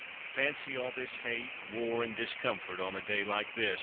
"Fancy all this hate, war, and discomfort on a day like this!"